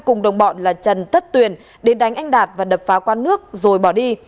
cùng đồng bọn là trần tất tuyền đến đánh anh đạt và đập phá quán nước rồi bỏ đi